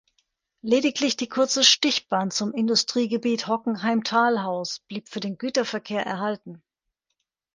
Lediglich die kurze Stichbahn zum Industriegebiet Hockenheim-Talhaus blieb für den Güterverkehr erhalten.